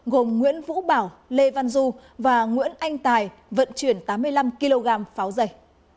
gồm nguyễn vũ bảo lê văn du và nguyễn anh tài vận chuyển tám mươi năm kg pháo giày